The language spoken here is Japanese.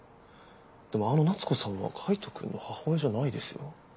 でもあの夏子さんは海人くんの母親じゃないですよ。